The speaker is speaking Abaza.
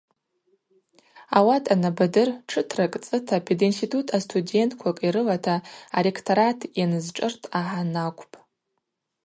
Ауат анабадыр тшытракӏ цӏыта пединститут астудентквакӏ йрылата аректорат йанызшӏырт агӏан акӏвпӏ.